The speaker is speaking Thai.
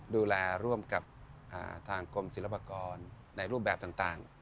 ดูแลร่วมกับทางกรมศิลปากรในรูปแบบต่าง